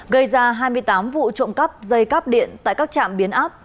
gây ra hai mươi tám vụ trộm cắp dây cắp điện tại các trạm biến áp